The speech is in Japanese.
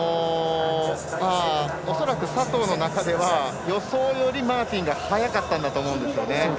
恐らく佐藤の中では予想よりマーティンが速かったんだと思うんですよね。